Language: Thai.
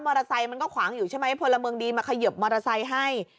ไซค์มันก็ขวางอยู่ใช่ไหมพลเมืองดีมาเขยิบมอเตอร์ไซค์ให้